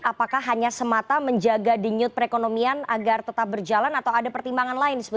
apakah hanya semata menjaga denyut perekonomian agar tetap berjalan atau ada pertimbangan lain